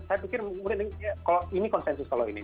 saya pikir kalau ini konsensus kalau ini